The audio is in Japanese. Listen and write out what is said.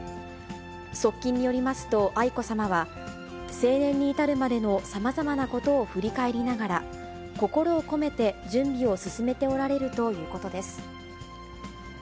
側近によりますと、愛子さまは、成年に至るまでのさまざまなことを振り返りながら、心を込めて準備を進めておられるということです。